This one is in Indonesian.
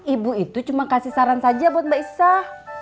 ibu itu cuma kasih saran saja buat mbak isah